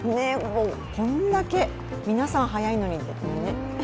こんだけ皆さん速いのにね。